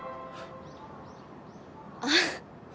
あっ。